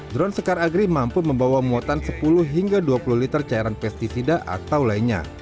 drone sekar agri mampu membawa muatan sepuluh hingga dua puluh liter cairan pesticida atau lainnya